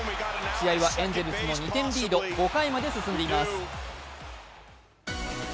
試合はエンゼルスの２点リード、５回まで進んでいます。